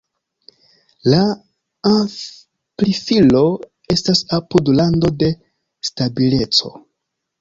La amplifilo estas apud rando de stabileco.